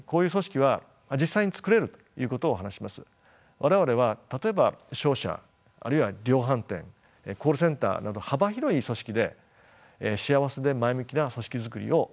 我々は例えば商社あるいは量販店コールセンターなど幅広い組織で幸せで前向きな組織づくりを行ってきました。